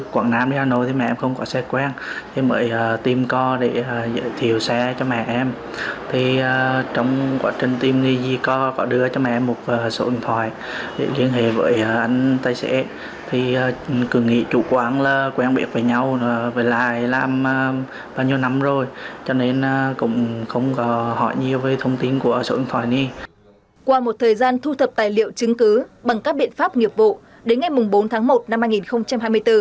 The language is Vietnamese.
qua một thời gian thu thập tài liệu chứng cứ bằng các biện pháp nghiệp vụ đến ngày bốn tháng một năm hai nghìn hai mươi bốn